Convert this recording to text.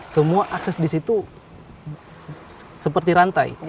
semua akses di situ seperti rantai